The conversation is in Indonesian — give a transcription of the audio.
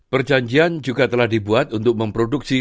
perjanjian juga telah dibuat untuk memproduksi